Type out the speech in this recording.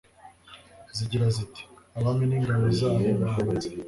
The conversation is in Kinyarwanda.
zigira ziti abami n'ingabo zabo bahunze